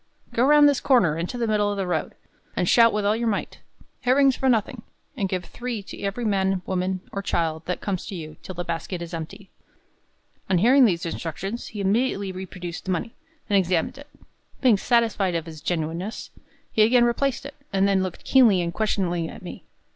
"Go round this corner into the middle of the road, and shout with all your might, 'Herrings for nothing!' and give three to every man, woman, or child that comes to you, till the basket is emptied." On hearing these instructions, he immediately reproduced the money, and examined it. Being satisfied of its genuineness, he again replaced it, and then looked keenly and questioningly at me.